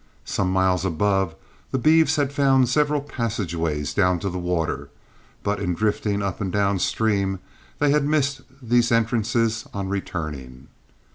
Some miles above, the beeves had found several passageways down to the water, but in drifting up and down stream they missed these entrances on returning.